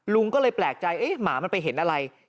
ลุงก็เลยแปลกใจเอ๊ะหมามันไปเห็นอะไร